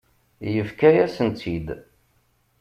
Yefka-yasen-tt-id.